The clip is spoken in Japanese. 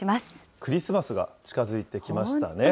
クリスマスが近づいてきましたね。